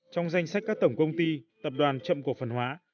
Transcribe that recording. trong danh sách các tổng công ty tập đoàn chậm cổ phần hóa